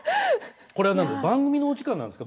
これは番組のお時間なんですか？